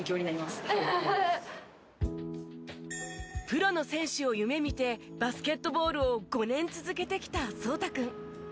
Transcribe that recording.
プロの選手を夢見てバスケットボールを５年続けてきた蒼太君。